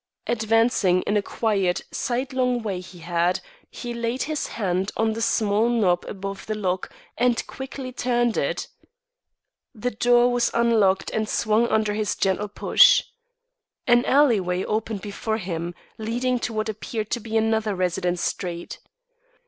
Advancing in a quiet, sidelong way he had, he laid his hand on the small knob above the lock and quickly turned it. The door was unlocked and swung under his gentle push. An alley way opened before him, leading to what appeared to be another residence street.